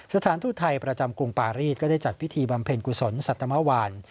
สถานทูตไทยประจำกรุงปารีสก็ได้จัดพิธีบำเพ็ญกุศลสัตมวาน